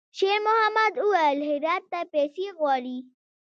شېرمحمد وويل: «هرات ته پیسې غواړي.»